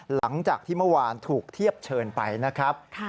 หลังจากที่เมื่อวานถูกเทียบเชิญไปนะครับ